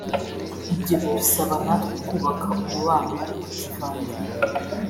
Ibyo bidusaba natwe kubaka umubano wa kivandimwe